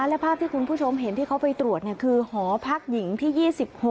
และภาพที่คุณผู้ชมเห็นที่เขาไปตรวจคือหอพักหญิงที่๒๖